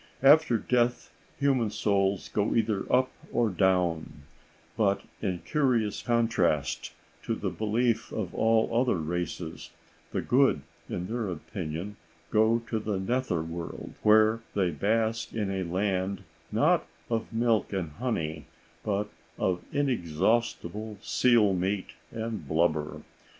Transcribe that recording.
After death human souls go either up or down; but in curious contrast to the belief of all other races, the good, in their opinion, go to the nether world, where they bask in a land, not of milk and honey, but of inexhaustible seal meat and blubber.